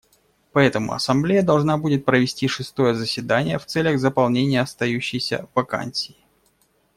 Поэтому Ассамблея должна будет провести шестое заседание в целях заполнения остающейся вакансии.